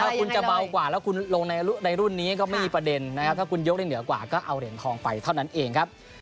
ถ้าคุณจะเบากว่าแล้วคุณลงในรุ่นนี้ก็ไม่มีประเด็นนะครับถ้าคุณยกได้เหนือกว่าก็เอาเหรียญทองไปเท่านั้นเองครับ